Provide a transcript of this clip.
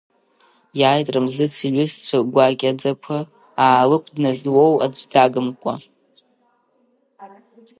Иааит Рамзыц иҩызцәа гәакьаӡақәа, Аалықә дназлоу аӡә дагымкәа…